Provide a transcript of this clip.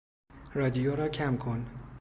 رادیو را کم کن!